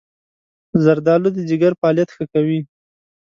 زردآلو د ځيګر فعالیت ښه کوي.